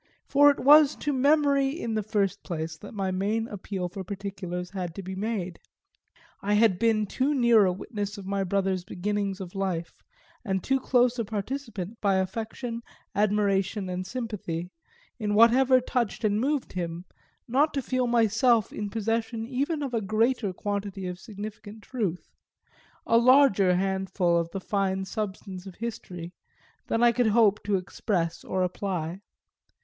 For it was to memory in the first place that my main appeal for particulars had to be made; I had been too near a witness of my brother's beginnings of life, and too close a participant, by affection, admiration and sympathy, in whatever touched and moved him, not to feel myself in possession even of a greater quantity of significant truth, a larger handful of the fine substance of history, than I could hope to express or apply.